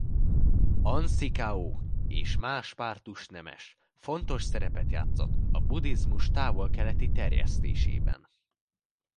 An Si-kao és más pártus nemes fontos szerepet játszott a buddhizmus távol-keleti terjesztésében.